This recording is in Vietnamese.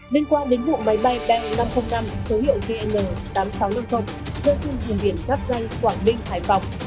liên quan đến vụ máy bay bang năm trăm linh năm số hiệu dn tám nghìn sáu trăm năm mươi dựa trên vùng biển giáp dân quảng bình hải phòng